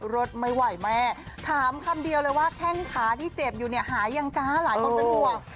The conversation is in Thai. รถไม่ไหวแม่ถามคำเดียวเลยว่าแข้งขาที่เจ็บอยู่เนี่ยหายังจ๊ะหลายคนเป็นห่วง